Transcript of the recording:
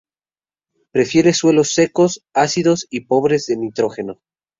Prefiere suelos secos, ácidos y pobres en nitrógeno.